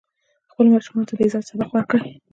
خپلو ماشومانو ته د عزت سبق ورکړئ.